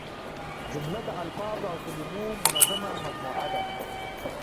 جمله د الفاظو او کلیمو منظمه مجموعه ده.